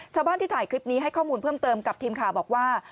ชาวบ้านที่ถ่ายคลิปนี้ให้ข้อมูลเพิ่มเติมกับทีมข่าวบอกว่า